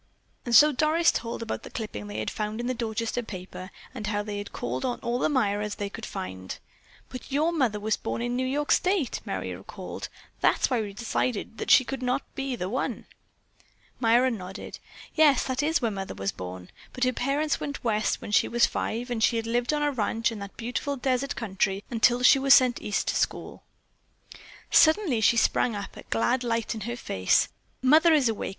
And so Doris told about the clipping they had found in the Dorchester paper, and how they had called on all the Myras they could find. "But your mother was born in New York state," Merry recalled. "That is why we decided that she could not be the one." Myra nodded. "Yes, that is where Mother was born, but her parents went West when she was five, and she lived on a ranch in that beautiful desert country until she was sent East to school." Suddenly she sprang up, a glad light in her face. "Mother is awake!